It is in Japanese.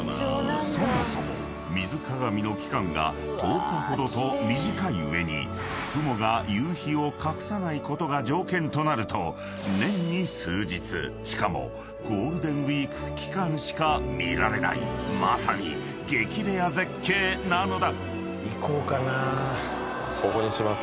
［そもそも水鏡の期間が１０日ほどと短い上に雲が夕日を隠さないことが条件となると年に数日しかもゴールデンウイーク期間しか見られないまさに激レア絶景なのだ］